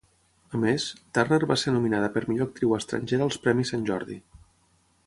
A més, Turner va ser nominada per Millor Actriu Estrangera als premis Sant Jordi.